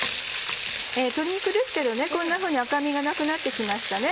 鶏肉ですけどこんなふうに赤みがなくなって来ましたね。